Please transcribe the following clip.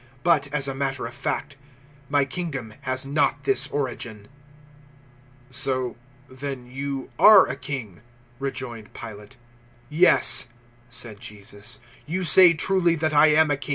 But, as a matter of fact, my kingdom has not this origin." 018:037 "So then *you* are a king!" rejoined Pilate. "Yes," said Jesus, "you say truly that I am a king.